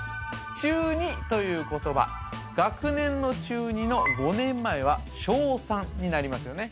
中二という言葉学年の中二の５年前は小三になりますよね